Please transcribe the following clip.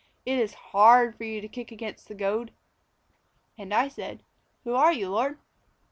It is hard for you to kick against the goad.' "And I said, 'Who are you, Lord?'